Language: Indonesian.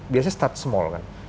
biasanya start small kan